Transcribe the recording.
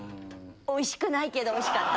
おいしくないけどおいしかった。